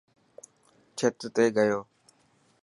ڇت تي گيو.